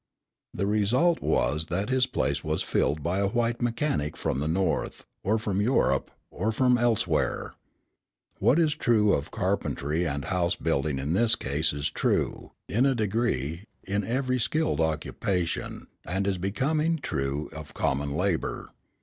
The result was that his place was filled by a white mechanic from the North, or from Europe, or from elsewhere. What is true of carpentry and house building in this case is true, in a degree, in every skilled occupation; and it is becoming true of common labour.